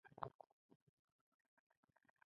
یونس قانوني، طالب او عطا نور سره کېني.